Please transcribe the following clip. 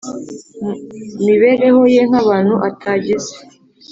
mibereho ye nk’abantu, atagize